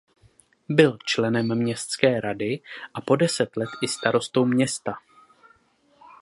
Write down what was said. Byl členem městské rady a po deset let i starostou města.